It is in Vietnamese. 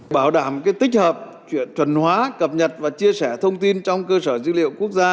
bảo đảm tích hợp chuyện chuẩn hóa cập nhật và chia sẻ thông tin trong cơ sở dữ liệu quốc gia